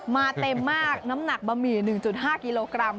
เต็มมากน้ำหนักบะหมี่๑๕กิโลกรัม